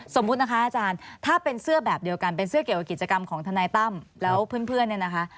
สมมุตินะคะอาจารย์ถ้าเป็นเสื้อแบบเดียวกันเป็นเสื้อเกี่ยวกับกิจกรรมของทนายตั้มแล้วเพื่อนเนี่ยนะคะ